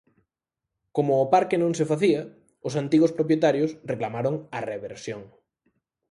Como o parque non se facía, os antigos propietarios reclamaron a reversión.